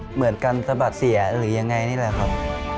เหมือนกันสะบัดเสียหรือยังไงนี่แหละครับ